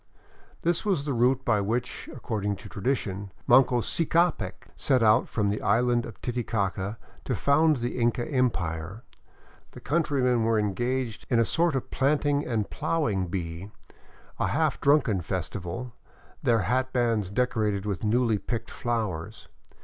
This was the route by which, according to tradition, Manco Ccapac set out from the island of Titi caca to found the Inca Empire. The countrymen were engaged in a sort of planting and plowing bee, a half drunken festival, their hatbands decorated with newly picked flowers.